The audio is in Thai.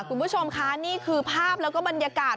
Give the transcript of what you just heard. คุณผู้ชมคะนี่คือภาพแล้วก็บรรยากาศ